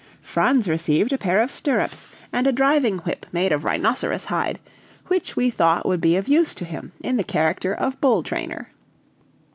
Franz received a pair of stirrups, and a driving whip made of rhinoceros hide, which we thought would be of use to him in the character of bull trainer.